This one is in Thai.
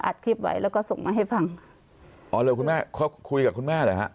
คลิปไว้แล้วก็ส่งมาให้ฟังอ๋อเลยคุณแม่เขาคุยกับคุณแม่เหรอฮะ